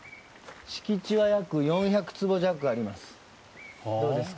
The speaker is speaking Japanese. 敷地は約４００坪弱あります